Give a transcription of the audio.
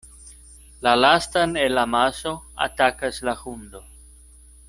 La lastan el amaso atakas la hundo.